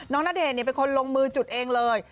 ณเดชน์เป็นคนลงมือจุดเองเลย